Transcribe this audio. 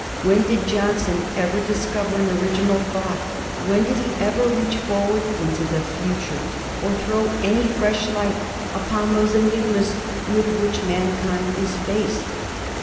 When did Johnson ever discover an original thought, when did he ever reach forward into the future, or throw any fresh light upon those enigmas with which mankind is faced?